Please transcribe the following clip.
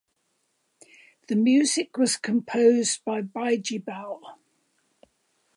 The music was composed by Bijibal.